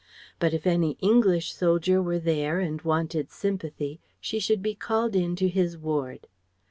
But if any English soldier were there and wanted sympathy, she should be called in to his ward